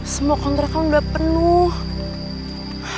semua kontrakan udah penuh